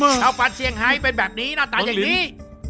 เอาฟันเชี่ยงไฮเป็นแบบนี้หน้าตาแบบนี้